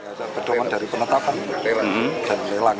ada perdoman dari penetapan